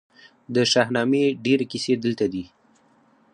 د شاهنامې ډیرې کیسې دلته دي